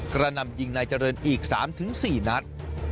กระนำยิงนายเจริญอีก๓๔นัด